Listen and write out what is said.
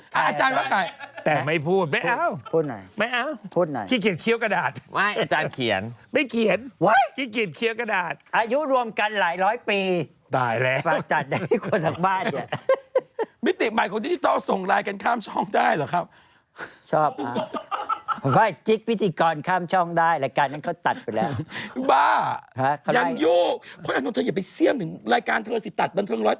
อย่างนึกอยู่เลยนะสหรัตภิมทรไม่กล้าพูด